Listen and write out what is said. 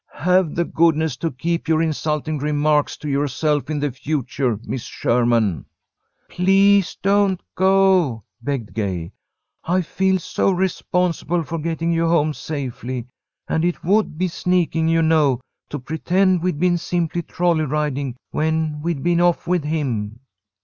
"Have the goodness to keep your insulting remarks to yourself in the future, Miss Sherman." "Please don't go," begged Gay. "I feel so responsible for getting you home safely, and it would be sneaking, you know, to pretend we'd been simply trolley riding when we'd been off with him."